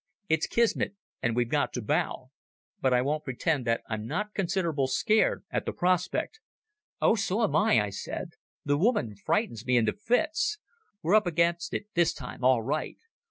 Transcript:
It's Kismet, and we've got to bow. But I won't pretend that I'm not considerable scared at the prospect." "Oh, so am I," I said. "The woman frightens me into fits. We're up against it this time all right.